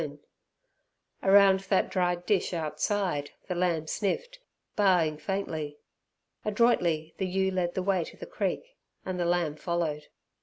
Around that dried dish outside the lamb sniffed, baaing faintly. Adroitly the ewe led the way to the creek, and the lamb followed.